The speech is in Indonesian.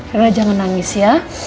reina jangan nangis ya